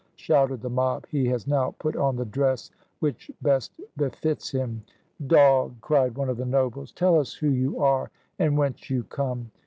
shouted the mob; "he has now put on the dress which best befits him." "Dog," cried one of the nobles, "tell us who you are and whence you come."